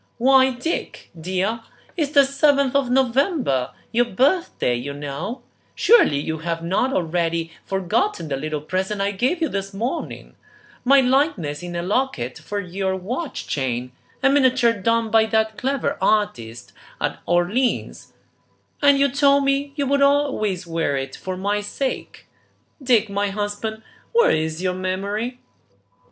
"Why, Dick, dear, it's the seventh of November, your birthday, you know; surely you have not already forgotten the little present I gave you this morning, my likeness in a locket for your watch chain, a miniature done by that clever artist at Orleans, and you told me you would always wear it for my sake. Dick, my husband, where is your memory?"